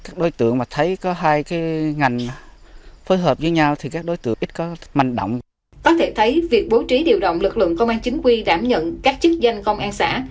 có thể thấy việc bố trí điều động lực lượng công an chính quy đảm nhận các chức danh công an xã